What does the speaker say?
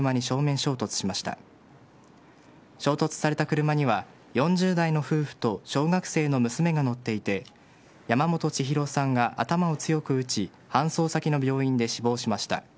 衝突された車には４０代の夫婦と小学生の娘が乗っていて山本ちひろさんが頭を強く打ち搬送先の病院で死亡しました。